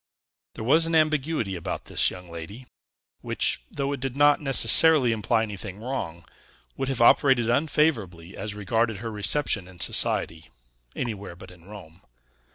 There was an ambiguity about this young lady, which, though it did not necessarily imply anything wrong, would have operated unfavorably as regarded her reception in society, anywhere but in Rome.